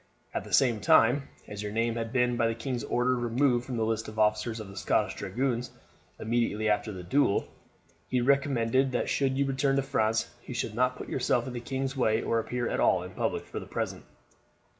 At the same time, as your name had been by the king's order removed from the list of officers of the Scottish Dragoons immediately after the duel, he recommended that should you return to France you should not put yourself in the king's way or appear at all in public for the present.